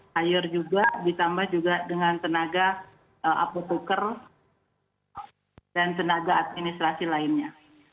hire juga ditambah juga dengan tenaga apotuker dan tenaga administrasi lainnya